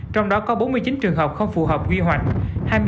trong đó có bốn mươi chín trường hợp không phù hợp quy hoạch